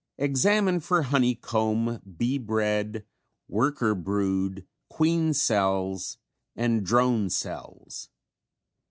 Examine for honey comb, bee bread, worker brood, queen cells and drone cells.